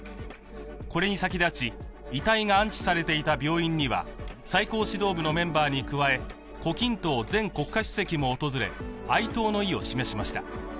これに先立ち、遺体が安置されていた病院には最高指導部のメンバーに加え胡錦涛前国家主席も訪れ哀悼の意を示しました。